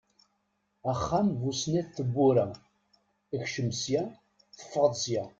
Axxam bu snat n tebbura, ekcem sya, teffeɣeḍ sya!